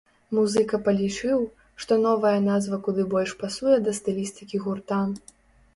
Музыка палічыў, што новая назва куды больш пасуе да стылістыкі гурта.